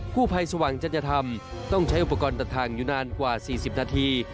ผู้ภัยสว่างจัญธรรมต้องใช้อุปกรณ์ตัดทางอยู่นานกว่า๔๐นาที